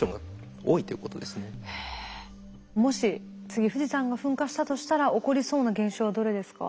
もし次富士山が噴火したとしたら起こりそうな現象はどれですか？